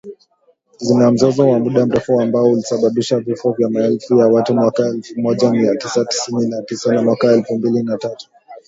Zina mzozo wa muda mrefu ambao ulisababisha vifo vya maelfu ya watu mwaka elfu moja mia tisa tisini na tisa na mwaka elfu mbili na tatu